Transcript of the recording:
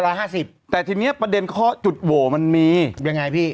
แค่วัน๑๕๐แต่ทีเนี่ยประเด็นข้อจุดว่ามันมียังไงพี่